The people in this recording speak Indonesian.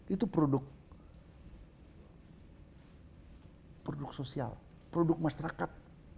itu produk sosial produk masyarakat